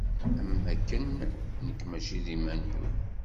Am wakken nekk mačči d iman-iw.